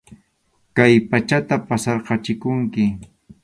Kay pachata pasarqachikunki.